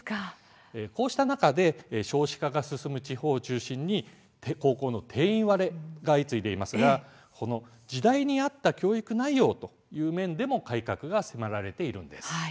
こうした中で少子化が進む地方を中心に定員割れが相次いでいて時代に合った教育内容という面でも改革が迫られています。